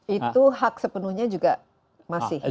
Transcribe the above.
itu hak sepenuhnya juga masih